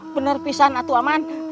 benar pisang itu amin